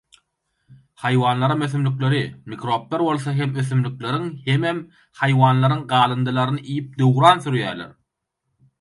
haýwanlaram ösümlikleri, mikroplar bolsa hem ösümlikleriň hemem haýwanlaryň galyndylaryny iýip döwran sürýärler.